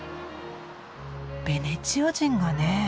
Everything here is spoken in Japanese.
ベネチア人がね。